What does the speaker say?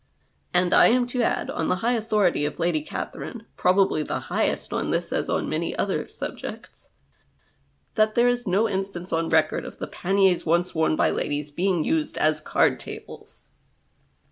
And I am to add, on the high authority of Lady Catherine, probably the highest on this as on many other subjects, that there is no instance on record of the paniers once worn by ladies being used as card tables.